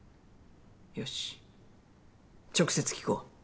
よし直接聞こう。